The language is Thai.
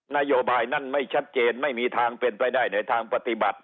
นโยบายนั้นไม่ชัดเจนไม่มีทางเป็นไปได้ในทางปฏิบัติ